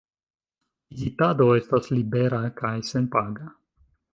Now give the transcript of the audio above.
Vizitado estas libera kaj senpaga.